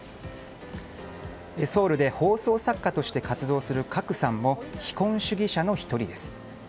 ソウルで放送作家として活動するクァクさんも非婚主義者の１人です。